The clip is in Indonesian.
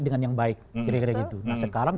dengan yang baik kira kira gitu nah sekarang